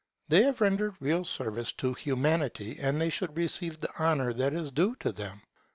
They have rendered real service to Humanity, and they should receive the honour that is due to them.